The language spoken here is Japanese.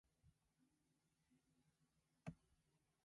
春眠暁を覚えず